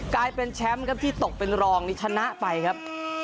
กลายเป็นแชมป์ครับที่ตกเป็นรองนี่ชนะไปครับ